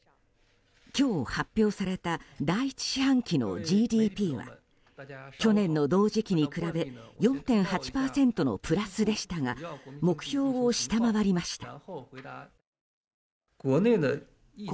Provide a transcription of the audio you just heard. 今日発表された第１四半期のＧＤＰは去年の同時期に比べ４．８％のプラスでしたが目標を下回りました。